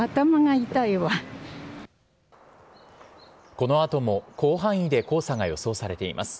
この後も広範囲で黄砂が予想されています。